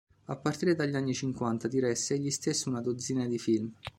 A partire dagli anni cinquanta diresse egli stesso una dozzina di film.